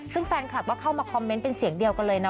ซึ่งแฟนคลับก็เข้ามาคอมเมนต์เป็นเสียงเดียวกันเลยนะ